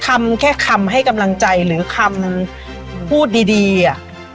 คำแค่คำให้กำลังใจหรือคำพูดดีดีอ่ะ